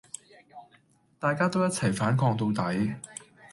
大家都一齊反抗到底